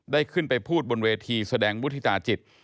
ได้ขึ้นไปพูดบนเวทีแสดงมุฒิตาจิต